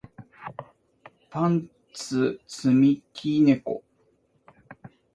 パンツ積み木猫